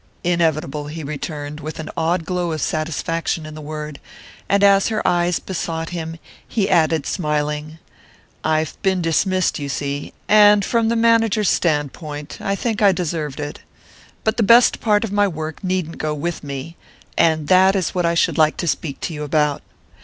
"Inevitable," he returned, with an odd glow of satisfaction in the word; and as her eyes besought him, he added, smiling: "I've been dismissed, you see; and from the manager's standpoint I think I deserved it. But the best part of my work needn't go with me and that is what I should like to speak to you about.